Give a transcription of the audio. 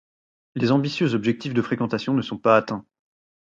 Les ambitieux objectifs de fréquentation ne sont pas atteints.